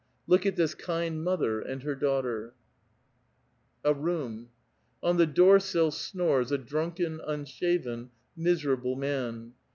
Look at this kind mother and her daughter !" A room. On the door sill snores a drunken, unshaven, miserable man.